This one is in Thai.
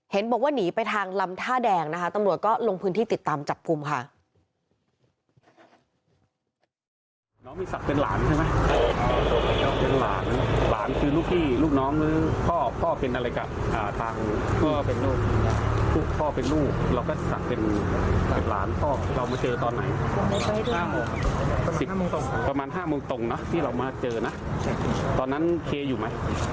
บอกว่าหนีไปทางลำท่าแดงนะคะตำรวจก็ลงพื้นที่ติดตามจับกลุ่มค่ะ